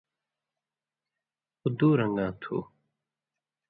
اُو دُو رن٘گاں تُھو۔